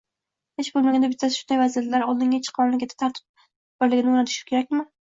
Hech bo‘lmaganda bittasi shunday vaziyatlarda oldinga chiqib mamlakatda tartib borligini ko‘rsatishi kerakmi?